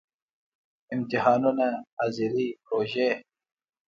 امتحانونه، ،حاضری، پروژی